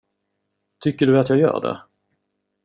Tycker du att jag gör det?